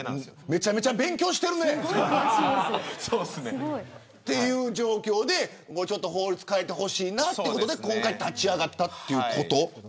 めちゃめちゃ勉強してるね。という状況で法律変えてほしいなということで今回、立ち上がったということ。